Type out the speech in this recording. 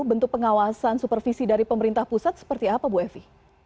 bentuk pengawasan supervisi dari pemerintah pusat seperti apa bu evi